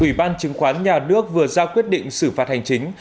ủy ban chứng khoán nhà nước vừa ra quyết định xử phạt hành chính